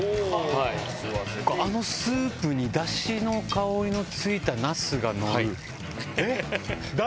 はいあのスープに出汁の香りのついたナスがのるえっ？